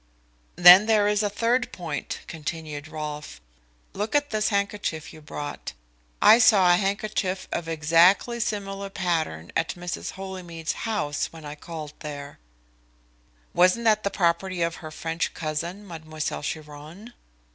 "Then there is a third point," continued Rolfe. "Look at this handkerchief you brought. I saw a handkerchief of exactly similar pattern at Mrs. Holymead's house when I called there." "Wasn't that the property of her French cousin, Mademoiselle Chiron?"